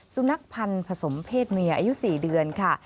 สุนัขพันธ์ผสมเพศเมียอายุ๔เดือนค่ะ